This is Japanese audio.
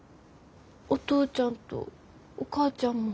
お父ちゃんとお母ちゃんも。